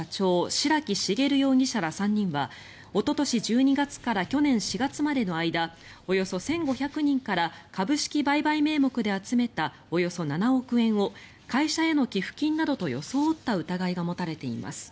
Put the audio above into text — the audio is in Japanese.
白木茂容疑者ら３人はおととし１２月から去年４月までの間およそ１５００人から株式売買名目で集めたおよそ７億円を会社への寄付金などと装った疑いが持たれています。